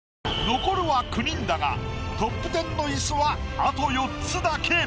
残るは９人だがトップ１０の椅子はあと４つだけ。